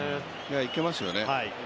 いけますよね